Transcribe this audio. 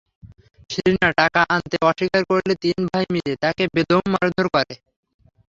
শিরিনা টাকা আনতে অস্বীকার করলে তিন ভাই মিলে তাঁকে বেদম মারধর করেন।